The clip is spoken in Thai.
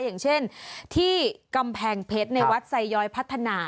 อย่างเช่นที่กำแพงเพชรในวัดไซย้อยพัฒนา